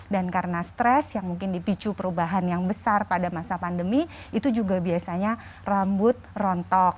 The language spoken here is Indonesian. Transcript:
dan karena stres yang mungkin dipicu perubahan yang besar pada masa pandemi itu juga biasanya rambut rontok